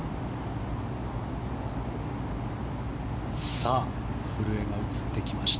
さあ、古江が映ってきました。